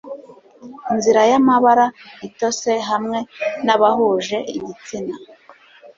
Inzira yamabara itose hamwe nabahuje igitsina